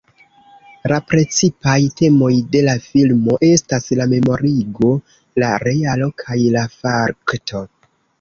La precipaj temoj de la filmo estas la memorigo, la realo kaj la fakto.